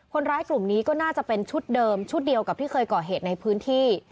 คนร้ายกลุ่มนี้ก็น่าจะเป็นชุดเดิมชุดเดียวกับที่เคยก่อเหตุในพื้นที่